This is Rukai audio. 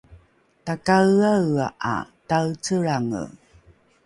takaeaea ’a taecelrange